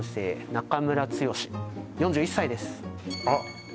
「中村剛４１歳」ですあっ